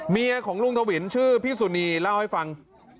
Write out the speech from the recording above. เมียของลุงเถาหวินชื่อพี่สุนีเล่าให้ฟัง